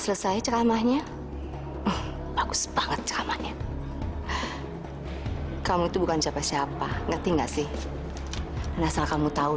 selesai ceramahnya bagus banget ceramahnya kamu itu bukan siapa siapa ngerti nggak sih asal kamu tahu